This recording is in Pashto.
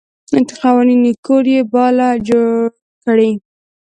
قوانین چې کوډ یې باله جوړ کړي.